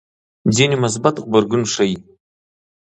ځینې مثبت غبرګون ښيي.